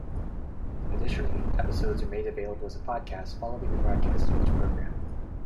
Additionally, episodes are made available as a podcast following the broadcast of each programme.